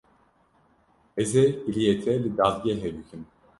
Ez ê giliyê te li dadgehê bikim.